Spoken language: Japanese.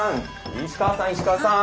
石川さん石川さん！